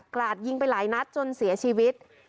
ราดยิงไปหลายนัดจนเสียชีวิต